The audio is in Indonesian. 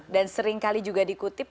dan seringkali juga dikutip